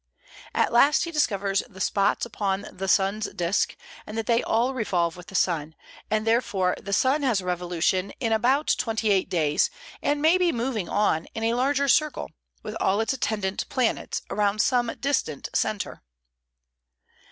At last he discovers the spots upon the sun's disk, and that they all revolve with the sun, and therefore that the sun has a revolution in about twenty eight days, and may be moving on in a larger circle, with all its attendant planets, around some distant centre.